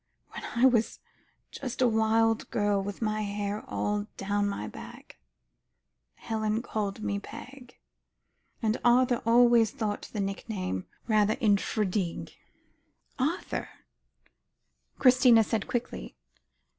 "When I was just a wild girl with my hair all down my back, Helen called me Peg. And Arthur always thought a nickname rather infra dig." "Arthur?" Christina said quickly.